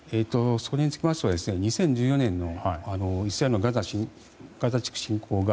それにつきましては２０１４年のイスラエルのガザ地区侵攻が